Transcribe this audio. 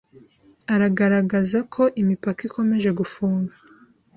agaragaza ko imipaka ikomeje gufunga